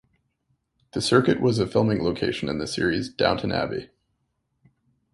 The circuit was a filming location in the series "Downton Abbey".